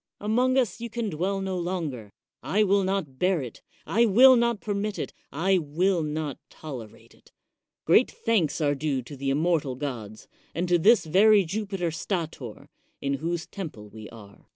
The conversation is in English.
Among us you can dwell no longer — I will not bear it, I will not permit it, I will not tolerate it. Great thanks are due to the immortal gods, and to this very Jupiter Stator, in whose temple we are.